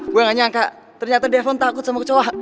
gue gak nyangka ternyata devlon takut sama kecoa